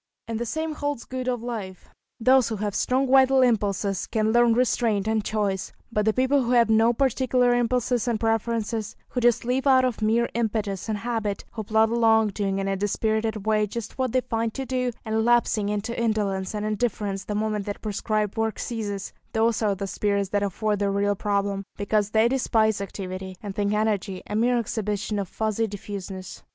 And the same holds good of life. Those who have strong vital impulses can learn restraint and choice; but the people who have no particular impulses and preferences, who just live out of mere impetus and habit, who plod along, doing in a dispirited way just what they find to do, and lapsing into indolence and indifference the moment that prescribed work ceases, those are the spirits that afford the real problem, because they despise activity, and think energy a mere exhibition of fussy diffuseness.